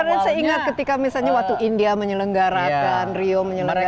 karena saya ingat ketika misalnya waktu india menyelenggarakan rio menyelenggarakan